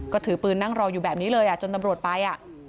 ก็ถือปืนนั่งรออยู่แบบนี้เลยจนตำรวจไป